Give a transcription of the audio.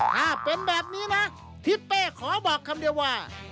ถ้าเป็นแบบนี้นะทิศเป้ขอบอกคำเดียวว่า